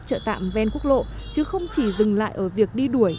chợ tạm ven quốc lộ chứ không chỉ dừng lại ở việc đi đuổi